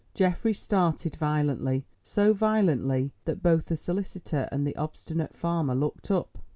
Geoffrey started violently, so violently that both the solicitor and the obstinate farmer looked up.